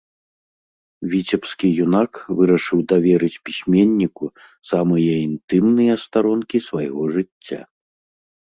Віцебскі юнак вырашыў даверыць пісьменніку самыя інтымныя старонкі свайго жыцця.